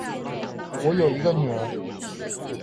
我有一个女儿